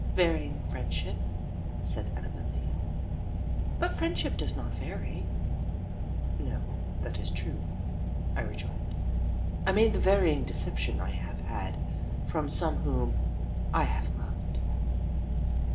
"Varying friendship?" said Annabel Lee. "But friendship does not vary." "No, that is true," I rejoined. "I mean the varying deception I have had from some whom I have loved."